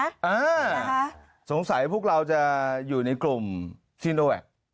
อ่าสงสัยพวกเราจะอยู่ในกลุ่มซีโนแวค